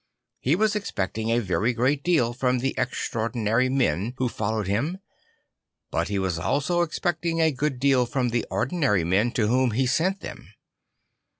He was expecting a very great deal from the extraordinary men who followed him; but he was also expecting a good deal from the ordinary men to whom he sent them.